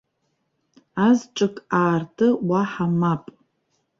Азҿык аарты, уаҳа мап.